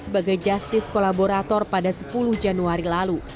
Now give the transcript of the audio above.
sebagai justice kolaborator pada sepuluh januari lalu